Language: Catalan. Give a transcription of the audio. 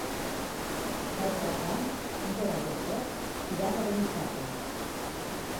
Per Cap d'Any en Gerard i en Pep iran a Benifato.